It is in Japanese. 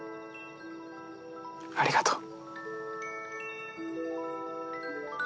ありがとう。